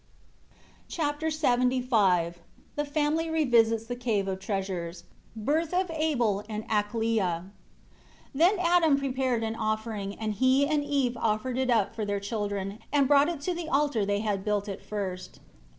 Chapter LXXV The family revisits the Cave of Treasures. Birth of Abel and Aklia. 1 Then Adam prepared an offering, and he and Eve offered it up for their children, and brought it to the altar they had built at first.